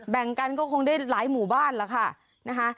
แบ่งกันก็คงได้หลายหมู่บ้านแล้วค่ะนะคะ